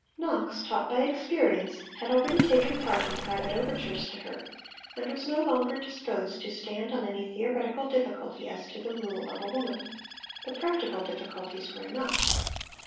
Knox, taught by experience, had already taken part in private overtures to her, and was no longer disposed to stand on any theoretical difficulty as to the rule of a woman. The practical difficulties were enough.